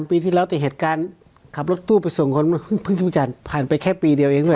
๓ปีที่แล้วแต่เหตุการณ์ขับรถตู้ไปส่งคนอืมผลแล้วแปลไปแค่ปี